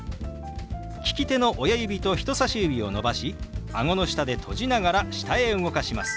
利き手の親指と人さし指を伸ばしあごの下で閉じながら下へ動かします。